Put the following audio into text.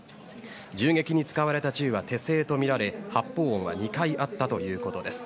銃撃に使われた銃は手製とみられ発砲音は２回あったということです。